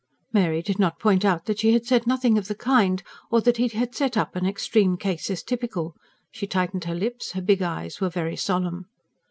Mary did not point out that she had said nothing of the kind, or that he had set up an extreme case as typical. She tightened her lips; her big eyes were very solemn.